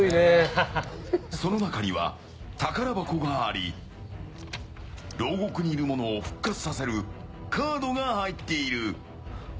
その中には宝箱があり牢獄にいる者を復活させるカードが入っている。